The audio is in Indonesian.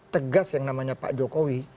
tegas yang namanya pak jokowi